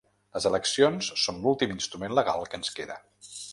Les eleccions són l’últim instrument legal que ens queda